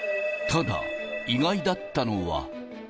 ただ、意外だったのは。